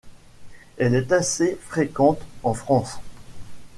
Elle est assez fréquente en France.